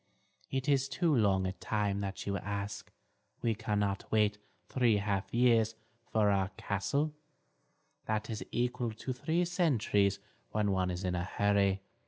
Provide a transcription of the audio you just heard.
It is too long a time that you ask; we cannot wait three half years for our castle; that is equal to three centuries when one is in a hurry.